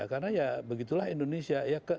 karena ya begitulah indonesia